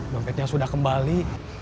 mempetnya sudah kembali